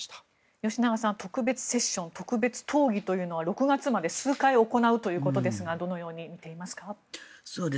吉永さん、特別セッション特別討議というのは６月まで数回行うということですがどのように見ていますか。